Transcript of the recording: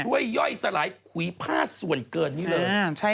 ย่อยสลายขุยผ้าส่วนเกินนี้เลย